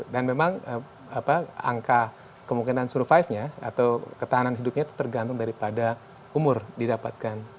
dan memang angka kemungkinan survive nya atau ketahanan hidupnya itu tergantung daripada umur didapatkan